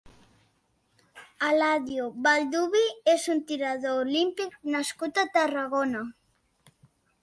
Eladio Vallduvi és un tirador olímpic nascut a Tarragona.